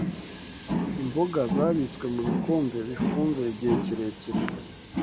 imboga zabitswe mu bikombe bifunze igihe kirekire